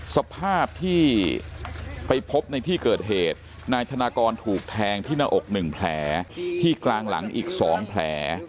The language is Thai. สภาพที่ไปพบในที่เกิดเหตุนายธนากรถูกแทงที่หน้าอก๑แผลที่กลางหลังอีก๒แผล